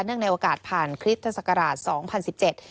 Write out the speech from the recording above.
เนื่องในโอกาสผ่านคริสต์ศักราช๒๐๑๗